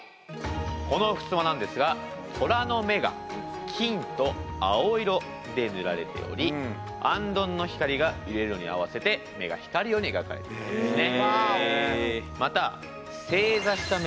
このふすまなんですが虎の目が金と青色で塗られておりあんどんの光が揺れるのに合わせて目が光るように描かれているんですね。